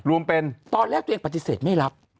รวมเป็นตอนแรกตัวเองปฏิเสธไม่รับ